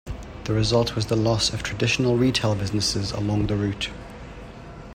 The result was the loss of the traditional retail businesses along the route.